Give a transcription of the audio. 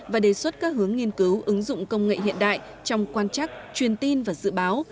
và đề xuất các hướng nghiên cứu ứng dụng công nghệ hiện đại trong quan chắc truyền tin và dự báo